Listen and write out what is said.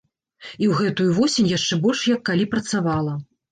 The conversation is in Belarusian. І ў гэтую восень яшчэ больш як калі працавала!